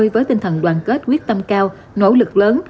với tinh thần đoàn kết quyết tâm cao nỗ lực lớn